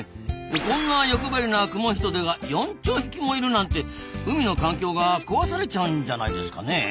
こんな欲張りなクモヒトデが４兆匹もいるなんて海の環境が壊されちゃうんじゃないですかねえ？